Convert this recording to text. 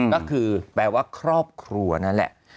ก็คือแปลว่าครอบครัวนั่นแหละ